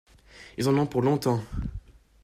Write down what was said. Ils en ont pour longtemps!